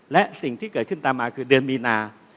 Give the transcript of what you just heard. และสิ่งที่เกิดขึ้นตามมาคือเดือนมีนา